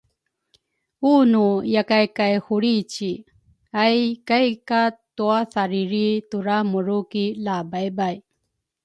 unu yakai kay hulrici, ai kai katuathariri turamuru ki lababay.